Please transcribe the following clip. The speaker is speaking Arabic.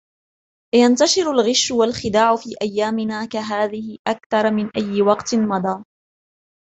ينتشر الغش والخداع في أيامنا كهذه أكثر من أي وقت مضى.